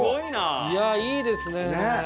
いやいいですね！